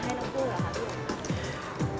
ให้นางพูดเหรอครับ